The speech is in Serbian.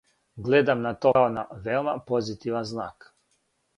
Гледам на то као на веома позитиван знак.